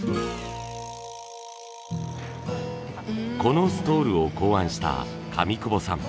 このストールを考案した上久保さん。